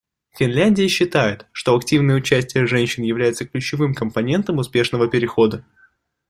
Финляндия считает, что активное участие женщин является ключевым компонентом успешного перехода.